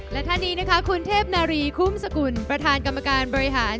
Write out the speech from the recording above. และท่านนี้นะคะคุณเทพนารีคุ้มสกุลประธานกรรมการบริหาร